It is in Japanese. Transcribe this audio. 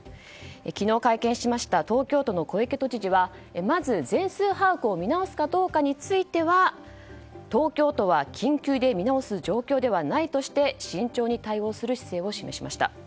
昨日、会見しました東京都の小池知事はまず全数把握を見直すかどうかについては東京都は緊急で見直す状況ではないとして慎重に対応する姿勢を示しました。